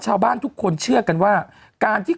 ชาวบ้านทุกคนเชื่อกันว่าการที่